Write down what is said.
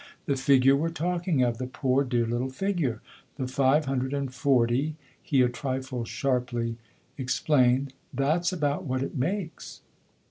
The figure , we're talking of the poor, dear little figure. The five hundred and forty," he a trifle sharply ex plained. " That's about what it makes."